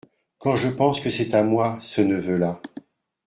Quand je pense que c’est à moi, ce neveu-là !…